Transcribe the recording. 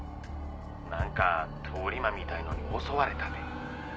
何か通り魔みたいのに襲われたて。